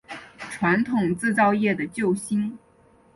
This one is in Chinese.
传统制造业的救星